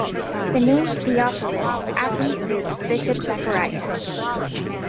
The name Theophilus aptly suits Bishop Zacharias.